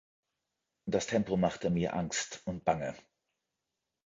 Das Tempo machte mir Angst und Bange.